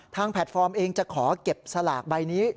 แพลตฟอร์มเองจะขอเก็บสลากใบนี้